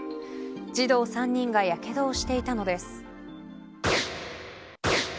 児童３人がやけどをしていたのです。